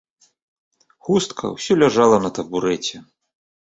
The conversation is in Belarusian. Хустка ўсё ляжала на табурэце.